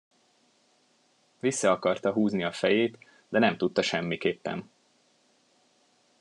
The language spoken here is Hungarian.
Vissza akarta húzni a fejét, de nem tudta semmiképpen.